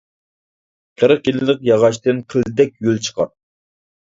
قىرىق يىللىق ياغاچتىن قىلدەك ھۆل چىقار.